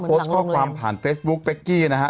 โพสต์ข้อกว่ากว่าความผ่านเฟสบุ๊คเป๊กกี้นะฮะ